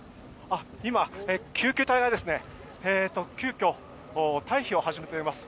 今、救急隊が急遽、退避を始めています。